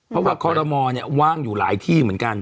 เพราะว่าคอรมอลว่างอยู่หลายที่เหมือนกัน